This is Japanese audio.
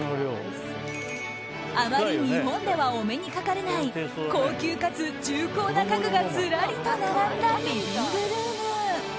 あまり日本ではお目にかかれない高級かつ重厚な家具がずらりと並んだリビングルーム。